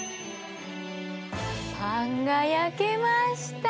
パンが焼けました！